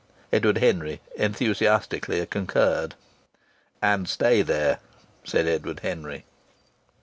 Edward Henry enthusiastically concurred. "And stay there!" said Edward Henry.